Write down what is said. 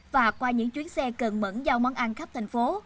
và qua những chuyến xe cần mẫn giao món ăn khắp thành phố